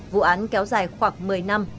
vụ án kéo dài khoảng một mươi năm